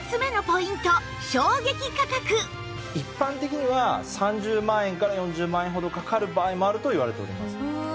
そして一般的には３０万円から４０万円ほどかかる場合もあるといわれております。